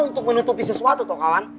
untuk menutupi sesuatu tuh kawan